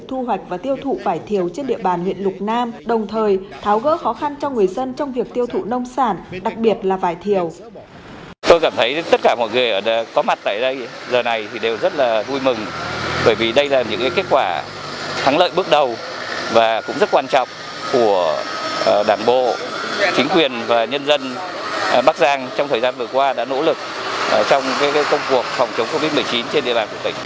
tất cả mọi người có mặt tại giờ này đều rất vui mừng bởi vì đây là những kết quả thắng lợi bước đầu và cũng rất quan trọng của đảng bộ chính quyền và nhân dân bắc giang trong thời gian vừa qua đã nỗ lực trong công cuộc phòng chống covid một mươi chín trên địa bàn của tỉnh